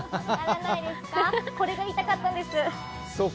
これが言いたかったんです。